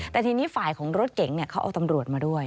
แต่ทีนี้ฝ่ายของรถเก๋งเขาเอาตำรวจมาด้วย